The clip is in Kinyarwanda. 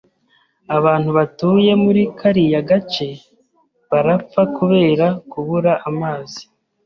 Abantu batuye muri kariya gace barapfa kubera kubura amazi.